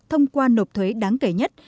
thông qua nộp thuế đáng kể nhất